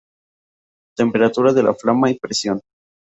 Temperatura de la flama y presión.